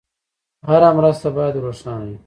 هره مرسته باید روښانه وي.